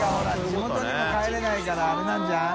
地元にも帰れないからあれなんじゃん？